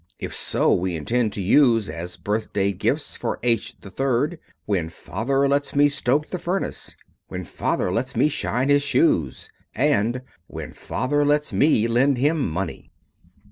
If so, we intend to use as birthday gifts for H. 3rd, When Father Lets Me Stoke the Furnace, When Father Lets Me Shine His Shoes, and When Father Lets Me Lend Him Money.